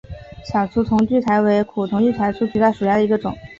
小粗筒苣苔为苦苣苔科粗筒苣苔属下的一个种。